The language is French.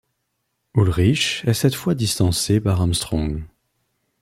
Ullrich est cette fois distancé par Armstrong.